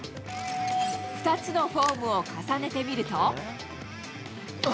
２つのフォームを重ねてみると。